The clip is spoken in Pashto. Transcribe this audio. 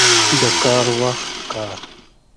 د کار وخت کار.